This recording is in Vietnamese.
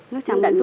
nước trắng với ruột